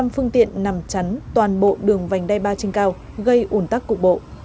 năm phương tiện nằm chắn toàn bộ đường vành đai ba trên cao gây ủn tắc cục bộ